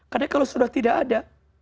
karena kalau sudah tidak ada